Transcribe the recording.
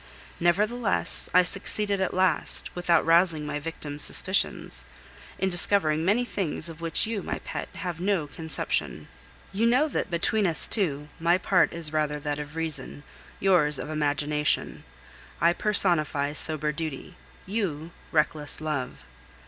Nevertheless, I succeeded at last, without rousing my victim's suspicions, in discovering many things of which you, my pet, have no conception. You know that, between us two, my part is rather that of reason, yours of imagination: I personify sober duty, you reckless love.